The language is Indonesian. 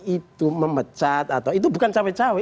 itu memecat atau itu bukan cawe cawe